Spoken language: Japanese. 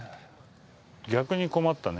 逆に困ったね